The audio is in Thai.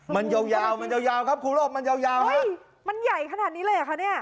มันยาวมันยาวครับครูรอบมันยาวฮะมันใหญ่ขนาดนี้เลยอ่ะค่ะเนี่ย